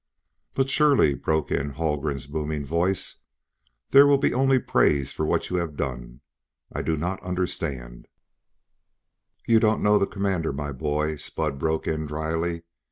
"But surely," broke in Haldgren's booming voice, "there will be only praise for what you have done. I do not understand " "You don't know the Commander, my boy," Spud broke in dryly.